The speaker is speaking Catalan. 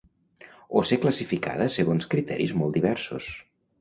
O ser classificada segons criteris molt diversos.